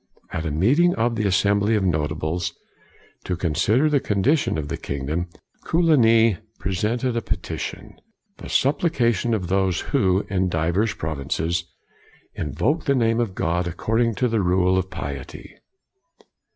At a meeting of the Assembly of Notables to consider the condition of the kingdom, Coligny presented a petition, " the supplication of those who, in divers provinces, invoke the name of God, ac cording to the rule of piety.'